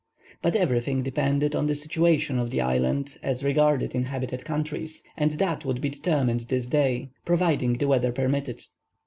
But everything depended on the situation of the island as regarded inhabited countries, and that would be determined this day, providing the weather permitted.